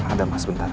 ada mas bentar